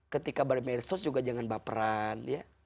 ketika bermedsos juga jangan baperan ya